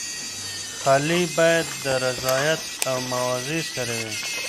خلع باید د رضایت او معاوضې سره وي.